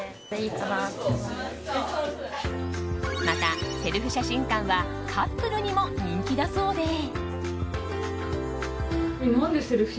また、セルフ写真館はカップルにも人気だそうで。